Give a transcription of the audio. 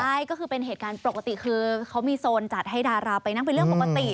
ใช่ก็คือเป็นเหตุการณ์ปกติคือเขามีโซนจัดให้ดาราไปนั่งเป็นเรื่องปกติ